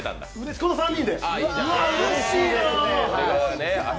この３人で。